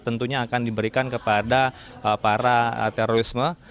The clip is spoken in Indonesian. tentunya akan diberikan kepada para terorisme